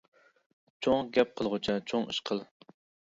چوڭ گەپ قىلغۇچە، چوڭ ئىش قىل.